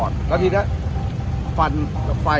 สวัสดีครับคุณผู้ชาย